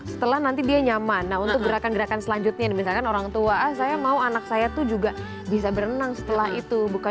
setelah nanti dia nyaman nah untuk gerakan gerakan selanjutnya misalkan orang tua ah saya mau anak saya tuh juga bisa berenang setelah itu